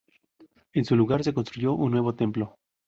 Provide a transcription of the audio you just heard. En su lugar se construyó un nuevo templo.